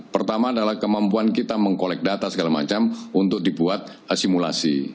pertama adalah kemampuan kita mengkolek data segala macam untuk dibuat simulasi